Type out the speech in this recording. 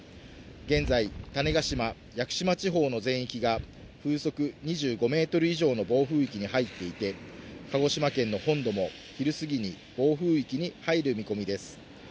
現在、種子島、屋久島地方の全域が風速２５メートル以上の暴風域に入っていて、鹿児島県の本土も昼すぎに暴風域に入る見込みです。